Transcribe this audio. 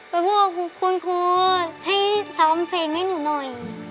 ไปพูดว่าคุณครูให้ซ้อมเพลงให้หนูหน่อย